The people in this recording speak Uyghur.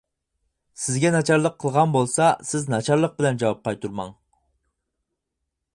سىزگە ناچارلىق قىلغان بولسا سىز ناچارلىق بىلەن جاۋاب قايتۇرماڭ.